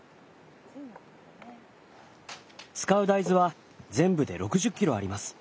使う大豆は全部で６０キロあります。